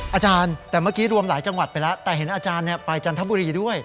อาจารย์แต่เมื่อกี้รวมหลายจังหวัดไปแล้วแต่เห็นอาจารย์ไปจันทบุรีด้วย